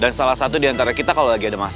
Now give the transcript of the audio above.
dan salah satu diantara kita kalau lagi ada masalah